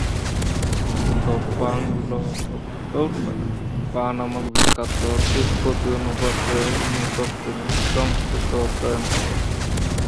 দ্পাং-লো-ত্সা-বা-ব্লো-গ্রোস-ব্র্তান-পা নামক বিখ্যাত তিব্বতী অনুবাদকের নিকট তিনি সংস্কৃত অধ্যয়ন করেন।